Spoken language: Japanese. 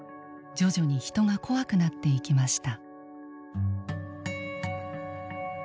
徐々に人が怖くなっていきました。